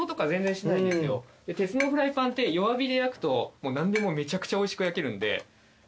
鉄のフライパンって弱火で焼くと何でもめちゃくちゃおいしく焼けるんで。